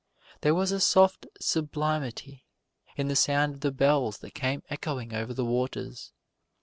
There was a soft sublimity in the sound of the bells that came echoing over the waters.